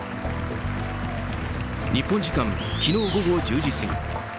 日本時間、昨日午後１０時過ぎ